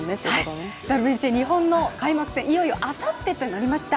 ＷＢＣ、日本の開幕戦、いよいよあさってとなりました。